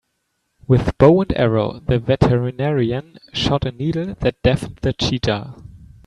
With bow and arrow the veterinarian shot a needle that deafened the cheetah.